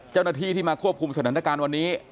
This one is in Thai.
เจ้าหน้าที่ที่มาควบคุมสถานการณ์วันนี้